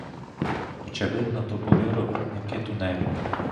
Очевидно, то були робітники тунелю.